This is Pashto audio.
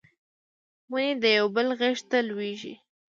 ونې د یو بل غیږ ته لویږي